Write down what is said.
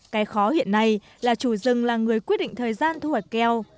cái khó hiện nay là chủ rừng là người quyết định thời gian thu hoạch keo